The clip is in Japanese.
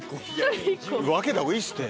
分けた方がいいっすって。